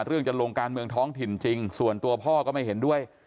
จะลงการเมืองท้องถิ่นจริงส่วนตัวพ่อก็ไม่เห็นด้วย